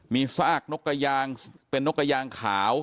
มีซากนกยางเป็นนกยางขาว